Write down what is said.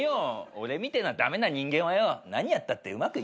俺みてえな駄目な人間はよ何やったってうまくいかねえんだ。